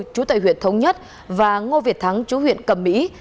chú tại huyện thống nhất và ngô việt thắng chú huyện cẩm mỹ